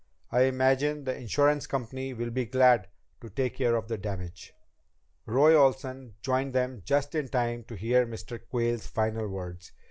"I imagine the insurance company will be glad to take care of the damage." Roy Olsen joined them just in time to hear Mr. Quayle's final words.